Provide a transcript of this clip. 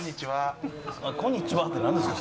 「こんにちは」ってなんですか？